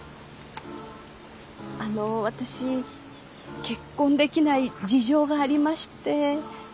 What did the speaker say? あの私結婚できない事情がありまして。